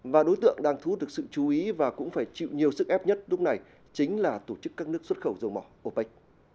và đối tượng đang thu hút được sự chú ý và cũng phải chịu nhiều sức ép nhất lúc này chính là tổ chức các nước xuất khẩu dầu mỏ opec